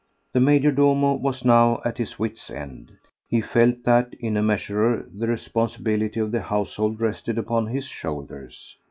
The major domo was now at his wits' end. He felt that in a measure the responsibility of the household rested upon his shoulders.